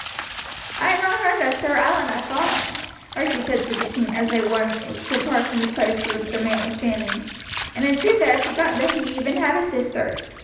"I had not heard that Sir Allan had fallen," Archie said to the king as they walked apart from the place where the man was standing; "and in truth I had forgotten that he even had a sister.